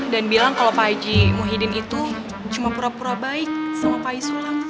dan bilang kalau pak haji muhyiddin itu cuma pura pura baik sama pak haji sulam